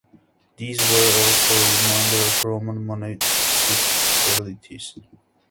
These were also a reminder of Roman municipalities.